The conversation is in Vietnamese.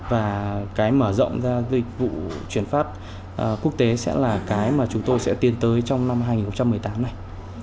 và cái mở rộng ra dịch vụ chuyển pháp quốc tế sẽ là cái mà chúng tôi sẽ tiến tới trong năm hai nghìn một mươi tám này